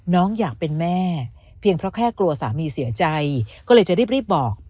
น้องอยากเป็นแม่เพียงเพราะแค่กลัวสามีเสียใจก็เลยจะรีบบอก